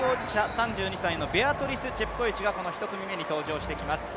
３２歳のベアトリス・チェプコエチがこの１組目に登場してきます。